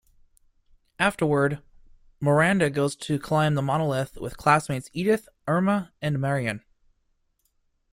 Afterward, Miranda goes to climb the monolith with classmates Edith, Irma, and Marion.